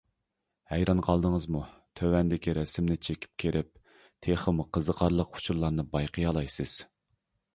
ھەيران قالدىڭىزمۇ؟ تۆۋەندىكى رەسىمنى چېكىپ كىرىپ تېخىمۇ قىزىقارلىق ئۇچۇرلارنى بايقىيالايسىز.